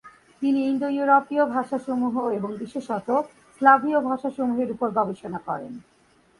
তিনি ইন্দো-ইউরোপীয় ভাষাসমূহ এবং বিশেষত স্লাভীয় ভাষাসমূহের উপর গবেষণা করেন।